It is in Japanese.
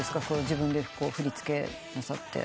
自分で振り付けなさって。